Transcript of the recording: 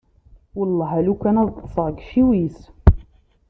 Welleh, a lukan ad ṭṭseɣ deg iciwi-s.